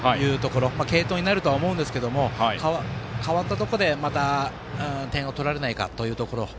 継投になるとは思いますが代わったところでまた点を取られないかというところ。